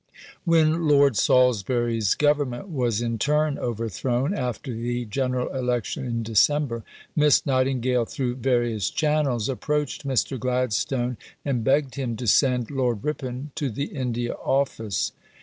When Lord Salisbury's Government was in turn overthrown, after the general election in December, Miss Nightingale, through various channels, approached Mr. Gladstone, and begged him to send Lord Ripon to the India Office.